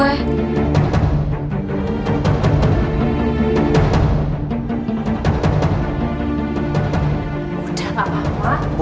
udah gak apa apa